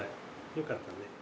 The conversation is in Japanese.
よかったね。